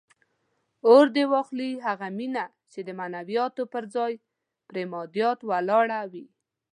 اور دې واخلي هغه مینه چې د معنویاتو پر ځای پر مادیاتو ولاړه وي.